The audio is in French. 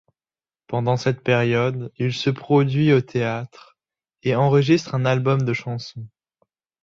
Pendant cette période, il se produit au théâtre, et enregistre un album de chansons.